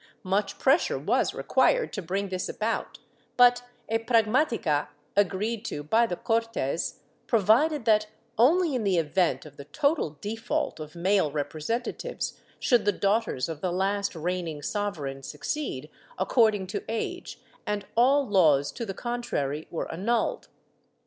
Much pressure was required to bring this about, but a pragmatica, agreed to by the Cortes, provided that only in the event of the total default of male representatives should the daughters of the last reigning sovereign succeed, according to age, and ah laws to the contrary were annulled.